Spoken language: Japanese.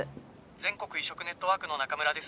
☎全国移植ネットワークの中村です